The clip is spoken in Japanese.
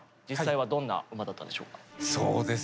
実際はどんな馬だったでしょうか？